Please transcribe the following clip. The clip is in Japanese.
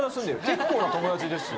結構な友達ですよ。